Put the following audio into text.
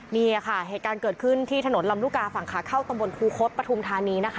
นี่ค่ะเหตุการณ์เกิดขึ้นที่ถนนรำลูกาฝั่งขาเขา